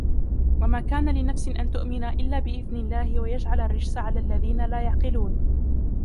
وما كان لنفس أن تؤمن إلا بإذن الله ويجعل الرجس على الذين لا يعقلون